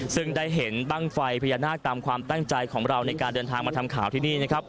ซึ่งได้เห็นบ้างไฟพญานาคตามความตั้งใจของเราในการเดินทางมาทำข่าวที่นี่นะครับ